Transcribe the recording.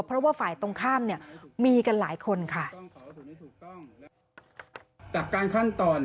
เพราะว่าฝ่ายตรงข้ามเนี่ยมีกันหลายคนค่ะ